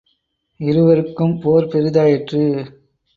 இருவருக்கும் போர் பெரிதாயிற்று.